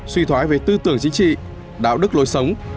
suy thoái về tư tưởng chính trị đạo đức lối sống